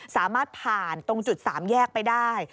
สามารถผ่านตรงจุด๓แยกไปได้